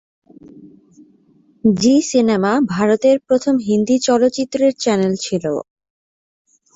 জি cinema ভারতের প্রথম হিন্দি চলচ্চিত্রের চ্যানেল ছিল।